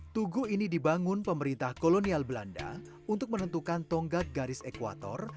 tugu ini dibangun pemerintah kolonial belanda untuk menentukan tonggak garis ekwator